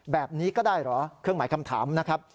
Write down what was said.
แบบนี้ก็ได้เหรอเครื่องหมายคำถามนะครับ